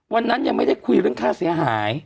วันนั้นยังไม่ได้คุยเรื่องค่าเสียหาย